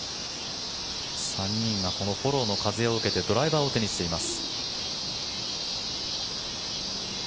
３人がこのフォローの風を受けてドライバーを手にしています。